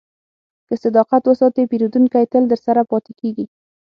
که صداقت وساتې، پیرودونکی تل درسره پاتې کېږي.